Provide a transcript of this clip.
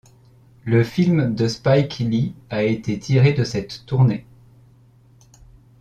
Le film de Spike Lee a été tiré de cette tournée.